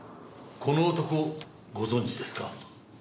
この男ご存じですか？